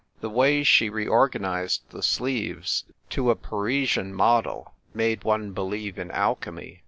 The way she reorganised the sleeves to a Parisian model made one believe in alchemy.